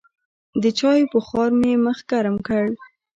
د چايو بخار مې مخ ګرم کړ.